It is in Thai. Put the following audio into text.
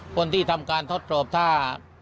คนที่ทำการทดสอบถ้า